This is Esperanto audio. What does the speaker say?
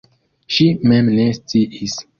Ŝi mem ne sciis.